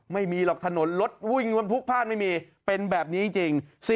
ไม่มีหรอกถนนรถวิ่งมันพลุกพลาดไม่มีเป็นแบบนี้จริง